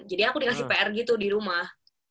jadi aku dikasih pr gitu di rumah